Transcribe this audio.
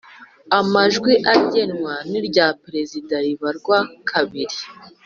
Amajwi angenwa irya Perezida ribarwa kabiri